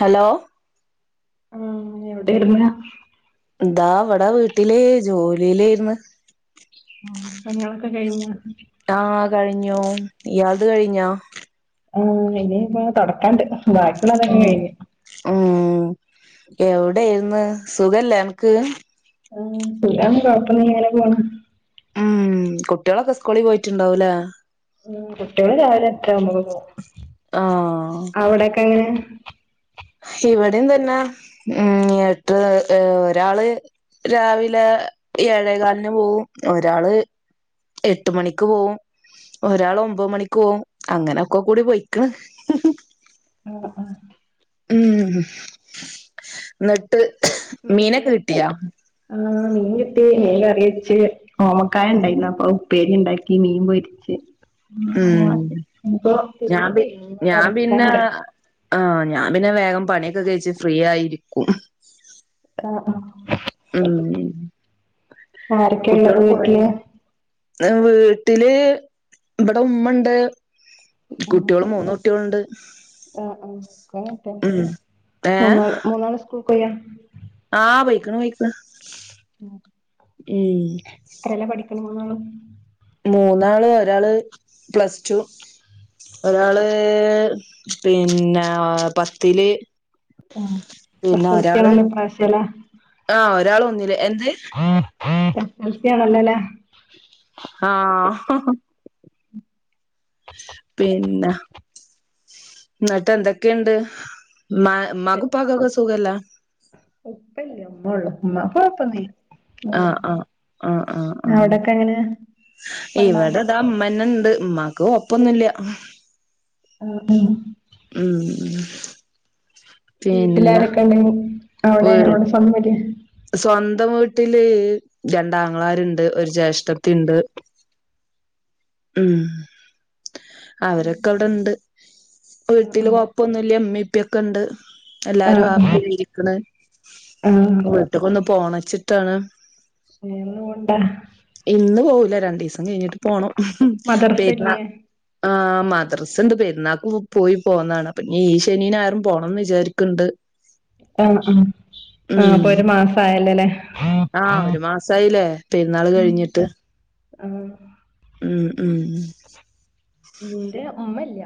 Hello. ആഹ് എവിടേർന്ന് താ വ്ടെ വീട്ടിൽ ജോലിയിലേർന്ന് ആഹ് പണികളൊക്കെ കഴിഞ്ഞാ ആഹ് കഴിഞ്ഞു ഇയാൾത് കഴിഞ്ഞോ? ആഹ് ഇനി ഇപ്പ തുടക്കാണ്ട് ബാക്കിയുള്ള അതൊങ്ങെ കഴിഞ്ഞു ഉം എവിടെ എയ്ര്ന് സുഖല്ലേ അനക്ക് ആഹ് സുഖം ആണ് കുഴപ്പമില്ല അങ്ങനെ പോണൂ. ഉം കുട്ടികളൊക്കെ സ്കൂളിൽ പോയിട്ടുണ്ടാവ്ലേ ഉം കുട്ടികള് രാവിലെ എട്ടരാവുമ്പോ പോവും ആഹ് അവിടൊക്കെ എങ്ങനെ ഇവിടെം തന്നെ ഉം എട്ട് ഒരാൾ രാവിലെ ഏഴേകാലിന് പോവും ഒരാള് എട്ട് മണിക്ക് പോവും ഒരാൾ ഒമ്പത് മണിക്ക് പോവും അങ്ങനൊക്കെ കൂടി പോയിക്കണ് ആഹ് ആഹ് ഉം എന്നിട്ട് മീനൊക്കെ എന്തൊക്കെയാ കിട്ടിയാ ആഹ് മീൻ കിട്ടി മീൻ കറി വച്ച് ഓമക്കായ ഉണ്ടായിര്ന്ന് അപ്പൊ ഉപേരി ഉണ്ടാക്കി മീൻ പൊരിച്ച് ഉം ഇപ്പോ ഞാൻ തിരുമ്പന തൊടക്കാണ്ട് ആ ഞാൻ പിന്നെ വേഗം പണിയൊക്കെ കഴിച്ച് ഫ്രീ ആയിരിക്കും ആ ഉം ആരൊക്കെയാള്ളത് കുട്ടികള് പോയി വീട്ടില് വീട്ടില് ഇവിടെ ഉമ്മുണ്ട് ആഹ് കുട്ടികള് മൂന്ന് കുട്ടികളുണ്ട് ആഹ് ആ ഉം മൂന്നാ മൂന്നാള് സ്കൂൾകോയ ആഹ വിളിക്ക്ണ് വിളിക്ക്ണ് ഉം എത്രേല്ല പഠിക്കണ മൂന്നാളും മൂന്നാള് ഒരാള് പ്ലസ് ടു ഒരാള് പിന്നെ പത്തില് ആ പിന്നെ എസ് എൽ ഒരാള് സിയാണല്ല ഇപ്രാവശ്യം ല്ലേ ആഹ് ഒരാള ഒന്നില് എന്ത് ആസയാണല്ലല്ലേ ആഹ് പിന്ന എന്നട്ട് എന്തൊക്കെയുണ്ട് മ മാകും പാകും ഒക്കെ സുഖല്ലേ ഉപ്പല്ലേ ഉമ്മാ ഉള്ളൂ ഉമ്മാ കൊഴപ്പന്നീല ആഹ് ആഹ് ആഹ് ആഹ് ആ അവിടൊക്കെ എങ്ങനെ ഉപ്പണ്ടാ ഇവിടെതാ ഉമ്മന്ന ണ്ട് ഉമ്മാക്ക് ഒപ്പൊന്നുല്ല ആഹ് ആഹ് ഉം പിന്നെ വീട്ടിലാരൊക്കെ ഉണ്ടെ അവിടെ വീ അവിടെ സമ്മില് സ്വന്തം വീട്ടില് രണ്ടാംഗ്ളാരുണ്ട് ഒരു ജ്യേഷ്ഠത്തി ഉണ്ട് ഉം അവരൊക്കെ അവിടെണ്ട് വീട്ടില് ആഹ് ഇപ്പൊന്നുമല്ല അമ്മിപ്പൊക്കെ ഉണ്ട് എല്ലാരും ആപ്പ ആഹ് ഇരിക്കണ് ആഹ് വീട്ടക്കൊന്ന് പോണച്ചിട്ടാണ് [unintelligible] കൊണ്ട ഇന്ന് പോവൂല രണ്ടു ദിവസം കഴിഞ്ഞിട്ട് പോണം മദർസ പത ഇല്ലേ ആ്ഹ് മദ്രസുണ്ട് പെരുന്നാക്ക് പോയി പോതാണ് അപ്പന്ന ഈ ശനീന ഞായറും പോണംന്ന് വിചാരിക്കണ്ട് ആഹ് ആഹ് ആഹ് അപ്പൊ ഉം ഒരു മാസയല്ലേ അല്ലേ ആഹ് ഒരു മാസായില്ലേ പെരുന്നാൾ കഴിഞ്ഞിട്ട് ആഹ് ഉം ഉം എന്റെ ഉമ്മല്ല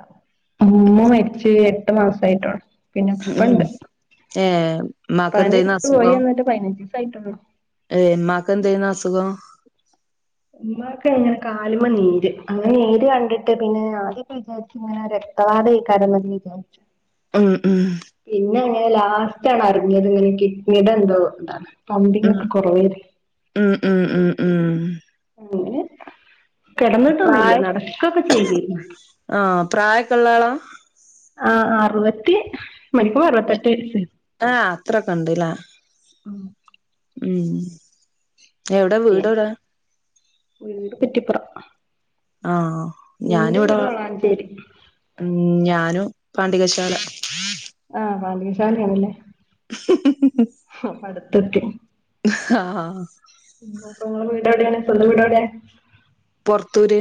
ഉമ്മ മരിച്ച് എട്ട് മാസയിട്ടോള ഉം ഏഹ് അപ്പ ഇമ്മാക്ക് അന്റെ എന്തേനു പോയി അസുഖം എന്നിട്ട് ഫൈനഞ്ച്സ ആട്ടുള്ളോ ഏഹ് ഉമാക്ക് എന്തരുന് അസുഖം ഉമാക്കെനെ കാലുമമ്മ നീര് അങ്ങനെ നീര് കണ്ടിട്ട് പിന്നെ ഇങ്ങനെ രക്തവാാതഈക്കാരം വിചാരിച്ചു ഉം ഉം പിന്നെ അങ്ങനെ ലാസ്റ്റ ആണ് അറിഞ്ഞിയത് ഇങ്ങനെ കിഡ്നിയുടെ എന്തോ എന്താണ് പമ്പിങ് ഉം ഒക്കെ കുറവേല്ല ഉം ഉം ഉം ഉം അങ്ങനെ പ്രായ കെടന്നിട്ടൊന്നുല്ല നടക്കൊക്കെ ചെയ്തിരുന്നു ആഹ് പ്രായൊക്കള്ളാള ആഹ് അറുപത്തി മണിക്കൂമ്പോ അറുപത്തെട്ട് ആഹ് അത്രൊക്കെണ്ട്ലേ ഉം എവിടെ വീടൊടെ വീട് കുറ്റിപ്പുറം ആഹ് ഞാന് ഇന്റെ ഇവിടെ വീട് വളാഞ്ചേരി ഉം ഞാനും പാണ്ഡികശാല ആഹ് പാണ്ടികശാലേണ്ല്ലേ [unintelligible] അടുത്തെക്കും ആഹ് ഉം അപ്പൊ നിങ്ങളെ വീടെവ്ടേണ് സ്വന്തം വീടോടേ പൊറത്തൂര്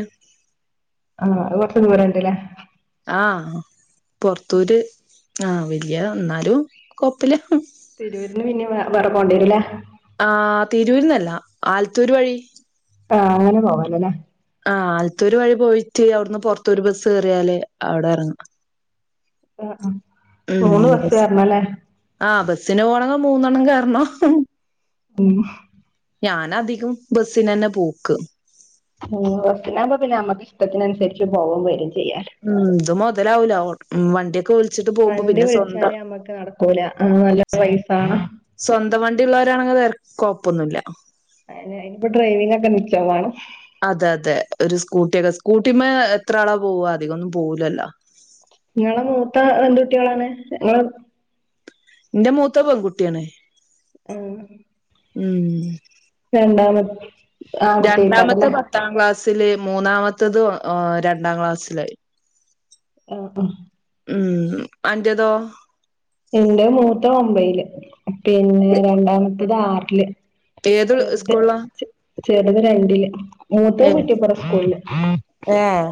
ആഹ് അത് കൊറച്ച് ദൂരണ്ട്ല്ലേ ആഹ് പൊറത്തൂര് ആഹ് വല്യ എന്നാലും കൊപ്പല്ല തിരൂരിന്ന് പിന്നിം വേറെ പോണ്ടിരല്ലേ ആഹ് തിരൂർന്നല്ല ആലത്തൂർ വഴി ആഹ് അങ്ങനെ പോവാലല്ലേ ആഹ് ആലത്തൂര് വഴി പോയിട്ട് അവിടുന്ന് പൊറത്തൂര് ബസ്സ് കയറിയാല് അവിടെ ഇറങ്ങ ആഹ് ആഹ് ഉം മൂന്ന് ബസ്സ് ബസ് കേറണല്ലേ ആഹ് ബസിന് പോവാണെങ്കി മൂന്നെണം കേറണം ഓഹ് ഞാനധികും ബസ്സിനന്നെ പോക്ക് ഉം ബസ്സിനാവുമ്പോ പിന്നെ നമ്മുക്ക് ഇഷ്ടത്തിനനുസരിച്ച് പോവും വരും ചെയ്യാൻ ഉം ഇത് മൊതലാവൂല വണ്ടി ക്കെ വിളിച്ചിട്ട് പോകുമ്പോ വണ്ടി പിന്നെ സ്വന്തം വിളിച്ചാലേ നമ്മുക്ക് നടക്കൂല ആഹ് നല്ല പയ്സാണ് സ്വന്തം വണ്ടിള്ളോരാണെങ്കിൽ കൊഴപ്പൊന്നുമില്ല അഹ് അയ്നിപ്പൊ ഡ്രൈവിംഗൊക്കെ നിച്ചംമാണം അതെ അതെ ഒരു സ്കൂട്ടിയൊക്കെ സ്കൂട്ടിമ്മെ എത്രാളാ പോവ അധികൊന്നും പോകൂലല്ലോ നിങ്ങളെ മൂത്ത എന്തുകുട്ടികളാണ് ങ്ങള് ന്റെ മൂത്തെ പേങ്കുട്ട്യാണ് ആഹ് ഉം രണ്ടാമത്തെ രണ്ടാമത്തെ പത്താ ക്ലാസ്സില് മൂന്നാമത്തത് ഓ രണ്ടാക്ലാസ്സില് ആഹ് ആഹ് ഉം അന്റതോ ഇന്റെ മൂത്തെ ഒമ്പയില് പിന്നെ രണ്ടാമത്തത് ആറ്ല് ഏത് ചെറുത് സ്കൂളിലാ ചെറുത് രണ്ടില് മൂത്തെ കുറ്റിപ്പുറം സ്കൂൾല് ഏഹ്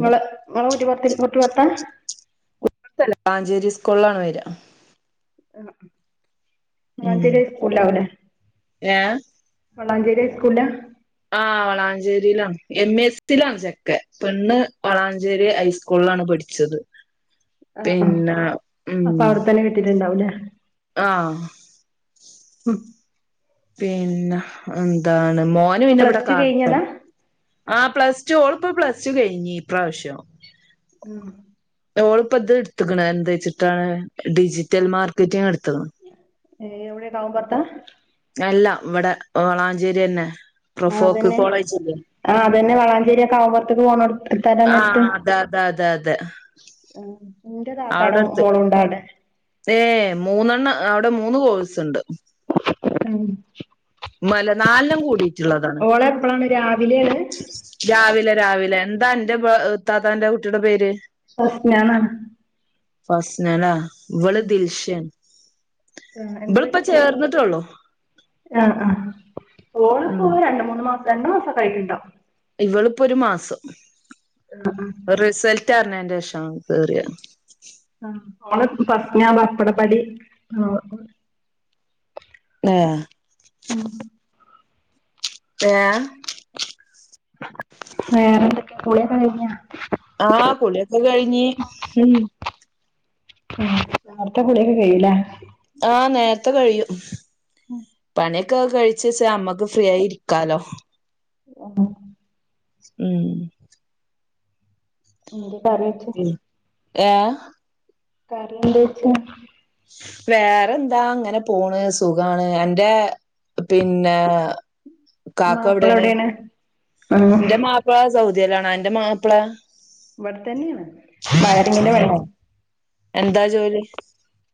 ങ്ങളെ ങ്ങളെ കുറ്റിപൊർത്തി കുറ്റിപൊർത്താ വളാഞ്ചേരി സ്കൂൾലാണ് വരാ ഹേ ഹ് ഉം വളാഞ്ചേരി സ്കൂൾലാവുലേ ഏ വളാഞ്ചേരി ഹൈ സ്കൂൾല ആ വളാഞ്ചേരിയിലാണ് എം എസ് റ്റിലാണ് ചെക്കൻ പെണ്ണ് വളാഞ്ചേരി ഹൈസ്കൂ സ്കൂളിലാണ് പഠിച്ചത് പിന്നെ ഉം ഇതിൽണ്ടാവൂലേ ആഹ് ഹും പിന്നെ എന്താണ് മോന് അപ്പൊ പിന്നെ ഇവിടെ പ്ലസ് ടു കാർ പ്പെ കഴിഞ്ഞതാ ആഹ് പ്ലസ് റ്റു ഓളപ്പ പ്ലസ് റ്റു കഴിഞ്ഞി ഇപ്രാവശ്യം ഉം ഓള്പ്പ ത് ട്ത്‌ക്ക്ണ് എന്താ ച്ചിട്ടാണ് ഡിജിറ്റൽ മാർക്കറ്റിംങ് എടുത്ത്ണ് ഏ എവിടെ കാവ് പൊർത്താ അല്ല ഇവിടെ വളാഞ്ചേരി ന്നെ പ്രൊഫോക്ക് കോളേജ് ആഹ് അതന്നെ വളാഞ്ചേരി ആ കാവും പോർത്ക് പോണോട്ത്ത്. എത്താൻ നേരത്ത് ദ ദ ദ തെ ആഹ് ഇന്റെ താത്താടെ മോളുണ്ടാടെ ഏ മൂന്നെണ്ണം അവിടെ മൂന്ന് കോഴ്സ് ണ്ട് ഉം മല നാലെണ്ണം കൂടിയിട്ടുള്ളതാണ് ഓള് എപ്പളാണ് രാവിലെണ് രാവിലെ രാവിലെ എന്താ അന്റെ പാ ഇത്താത്താന്റെ കുട്ടിടെ പേര് ഫസ്നാന്നാണ് ഫസ്ന ലേ ഇവള് ദിൽഷേണ് ഉം എന്താ പേര് ചേർന്നിട്ടുള്ളൂ ആഹ ആ ഓ ഉം രണ്ട് മൂന്ന് മാസ രണ്ട് മാസൊക്കെ ആയിട്ട്ണ്ടോ ഇവളിപ്പൊ ഒരു മാസം ആഹ് ഉം റിസൽറ്റർഞ്ഞേന്റെ ഷ കേറിയേ ആഹ് ഓള് ഫസ്നാ വപ്പടപ്പടി ആഹ് ഏഹ് ഉം ഏ ഹ് വേറെന്തൊക്കെ കുളിയൊക്കെ കഴിഞ്ഞാ ആ കുളിയൊക്കെ കഴിഞ്ഞ് ഉം ഉം ഉം നേരത്തെ കുളിയൊക്കെ കയിയും ലേ ആഹ് നേര്ത്തെ കഴിയും ഉം പണ്യോക്കെ കഴിച്ച്ച് അമ്മക്ക് ഫ്രീ ആയി ഇരിക്കാലോ തെന്നെ ഉം ഉം കറിവെച്ചു ഏ കറി എന്ത് വെച്ച് വേറെ എന്താ ഇങ്ങനെ പോണ് സുഖാണ് എന്റെ പിന്നെ മാപ്പിള എവിടെയാണ് ആഹ് എന്റെ മാപ്പിള സൗദിലാണ് എന്റെ മാപ്പിള ഇവിടെ തന്നെയാണ് വയറിങ്ങിന്റെ പണി ഏഹ് എന്താ ജോലി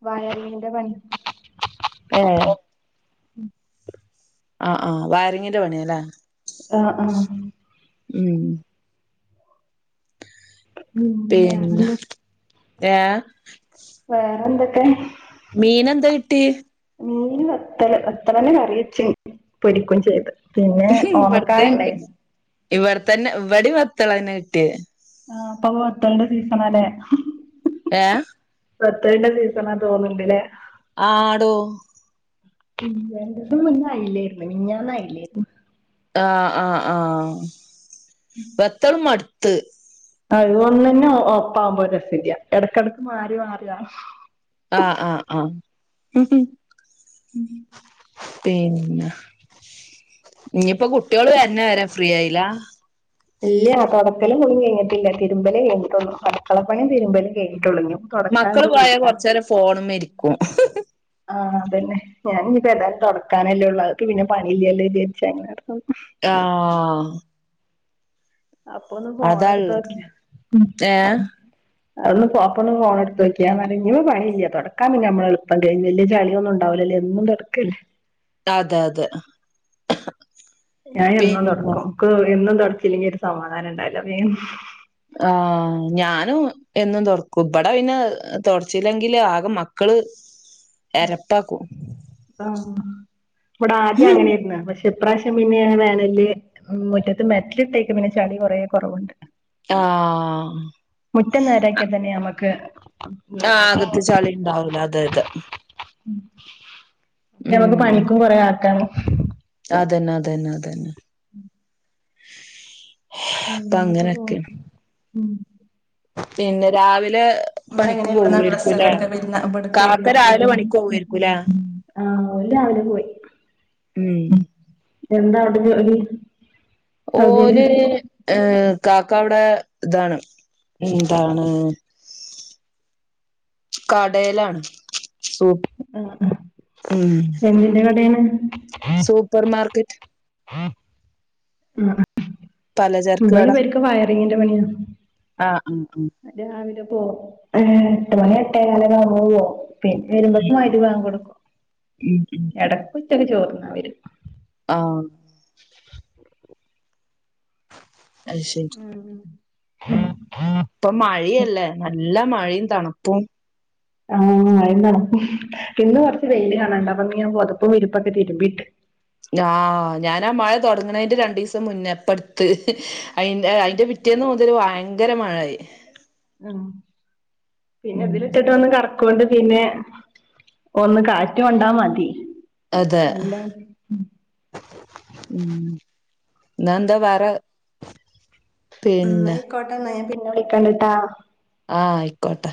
വയറിങ്ങിന്റെ പണി ഏ ആ ആ വയറിങ്ങിന്റെ പണിയ അല്ലേ ആഹ് ആഹ് ഉം ഉം പിന്നെ വേറെന്തൊക്കെ ഏ വേറെന്തൊക്കെ മീനെന്താ കിട്ടി മീൻ വത്തല് വത്തലന്നെ കറി വെച്ചും പൊരിക്കയും ചെയ്ത് പിന്നെ ഓമക്കായ ഇണ്ടായിരുന്നു ഇവിട തന്നെ ഇവിടേ വത്തളന്നെ കിട്ടിയെഹ് ആഹ് പ്പ വത്തൾണ്ട സീസണാലെ ഏഹ് വത്തൾട സീസണാ തോന്നണ്ടില്ലേ ആടോ ഉം രണ്ടൂസം മുന്ന അയിലേര്ന്ന് മിനിഞ്ഞാന്നയിലേയിര്ന്ന് ആഹ് ആഹ് ആഹ് വത്തൾ മടുത്ത് ഒന്നന്നെ ഒപ്പാവുമ്പോ ഒരസുല്ല്യ എടക്കെടക്ക് മാറി മാറി [unintelligible] ആഹ് ആഹ് ആഹ് ഉം പിന്ന ഇനിയിപ്പ കുട്ടികള് വേര്ണ വരാ ഫ്രീ ആയില്ല ഇല്ല്യ തൊടക്കലും കുളീം കയിഞ്ഞിട്ടില്ല തിരുമ്പലേ കയിഞ്ഞിട്ടുള്ളു അടുക്കള പണീം തിരുമ്പലും കെയിഞ്ഞിട്ടുള്ളു [unintelligible] മക്കള് പോയ കൊറച്ചേരം ഫോണുമ്മ ഇരിക്കും ആഹ് അതെന്നേ ഞാനിനിപ്പ ഏതാലും തുടക്കാനല്ലേ ഉള്ളൂ [unintelligible] പിന്ന പണിയില്ലല്ലോ വിചാരിച്ചങ്ങന ആഹ് അപ്പൊ ഒന്ന് അതാള്ളെ ഫോണെടുത്തോക്ക [unintelligible] ഏഹ് അതൊന്ന് ഫോ അപ്പൊന്ന് ഫോണെടുത്ത് വെക്കാ [unintelligible] ഇവിട പണില്ല്യ തൊടക്കാ പിന്നമ്മളെളുപ്പം കയ്യും വല്ല്യ ചളിയൊന്നും ഉണ്ടാവുല്ലല്ലോ എന്നും തൊ ക്കല്ലേ അതെ അതെ ഞായെന്നും പിന്നെ തൊടക്കും ഇക്ക് എന്നും തൊടച്ചില്ലെങ്കി ഒരു സമാധാനുണ്ടാവില്ല [unintelligible] ആഹ് ഞാനും എന്നും തൊട്ക്കും ഇബട പിന്ന തൊട്ച്ചില്ലെങ്കില് ആകെ മക്കള് എരപ്പാക്കൂ ആഹ് ഇവടാദ്യം അങ്ങനെര്ന്ന് പക്ഷെ ഇപ്രാവശ്യം പിന്നെ വേനല്ല് മുറ്റത്ത് മെറ്റിലിട്ടേക്ക [unintelligible] ചെളി കൊറേ കൊററവുണ്ട് ആഹ് മുറ്റം നേരാക്കിയ തന്നെ നമുക്ക് ആഹ് അകത്ത് ചാളി ഉണ്ടാവുല അതെയതെ ഉം നമുക്ക് പണിക്കും കൊറേ ആക്കാണ് അതന്നെ അതന്നെ അതന്നെ അപ്പം അങ്ങനെയൊക്കെ പോണ് അങ്ങനൊക്കെണ് ഉം പിന്നെ രാവിലെ പണിക്ക് നിങ്ങളെങ്ങനെ ഇവിടന്ന് ഡ്രസ്സൊക്കെ പോവായിരിക്കുംല്ലേ എടുക്ക പെരുന്നാ ഇബടെ കാക്ക പെരുന്നാ രാവിലെ പണിക്ക് പോവായിരിക്കുംല്ലേ [unintelligible] ആഹ് ഓല് രാവിലെ പോയി ഉം എന്താ അവിടെ ഒര് ഒര് ഓല് ഏ കാക്കവിടെ ഇതാണ് എന്താണ് കടേലാണ് സൂ ആഹ് ഉം ആഹ് എന്തിന്റ കടേണ്? സൂപ്പർ മാർക്കറ്റ് പലചരക്ക് ഇബടെ കട ഇവർക്ക് വയറിങ്ങിന്റ പണിയാണ് ആഹ് ഉം ഉം രാവിലെ പോവും ഏ എട്ട് മണി എട്ടേകാലരാവുമ്പോ പോവും. പിന്നെ വരുമ്പക്ക് മഗ്‌രിബാങ്കോടുക്കും ഉം ഉം ഉം എടക്ക് ഉച്ചക്ക് ചോറിന്നാൻ വരും ആഹ് അയ്ശെരി ഇപ്പം മഴയിംല്ലേ നല്ല മഴയും തണുപ്പും ആഹ് എന്താണ്? ഇന്ന് കൊറച്ച് വെയില് കാണാണ്ട്. അപ്പൊ ഇന്ന് ഞാൻ പൊതപ്പും വിരിപ്പൊക്കെ തിരുമ്പിയിട്ട്. ആഹ് ഞാൻ ആ മഴ തുടങ്ങണേന്റെ രണ്ടീസം മുന്നേ ഇപ്പട്ത്ത് അയിന്റെ അയിന്റെ പി റ്റേന്ന് മുതല് ഭയങ്കര മഴയായി. ആഹ് പിന്നെ ഉം ഇതിലിട്ടിട്ടൊന്നും കറ കൊണ്ട് പിന്നെ ഒന്ന് കാറ്റു കൊണ്ടാ മതി. അതെ നല്ല ഉം ഇന്ന് എന്താ വേറെ ഉം പിന്നെ എന്നായിക്കോട്ടെന്നാ ഞാൻ പിന്നെ വിളിക്കണ്ട്ട്ടോ ആഹ് ആയിക്കോട്ടെ.